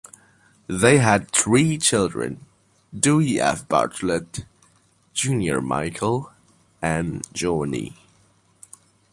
They had three children: Dewey F. Bartlett, Junior Michael and Joanie.